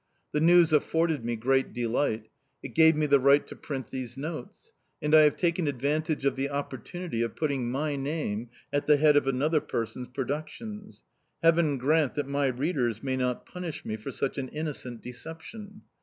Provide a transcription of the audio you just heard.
The news afforded me great delight; it gave me the right to print these notes; and I have taken advantage of the opportunity of putting my name at the head of another person's productions. Heaven grant that my readers may not punish me for such an innocent deception!